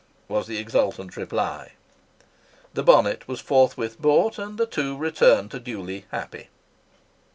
was the exultant reply. The bonnet was forthwith bought, and the two returned to Dewley happy.